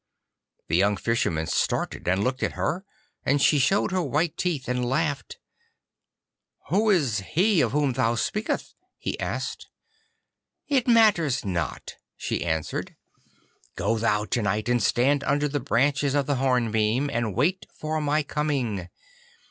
The young Fisherman started and looked at her, and she showed her white teeth and laughed. 'Who is He of whom thou speakest?' he asked. 'It matters not,' she answered. 'Go thou to night, and stand under the branches of the hornbeam, and wait for my coming.